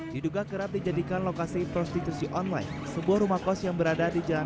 diduga kerap dijadikan lokasi prostitusi online sebuah rumah kos yang berada di jalan